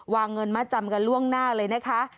เงินมาจำกันล่วงหน้าเลยนะคะ